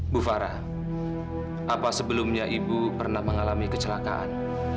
bu farah apa sebelumnya ibu pernah mengalami kecelakaan